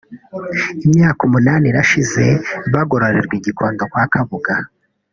imyaka umunani irashize bagororerwa i Gikondo kwa Kabuga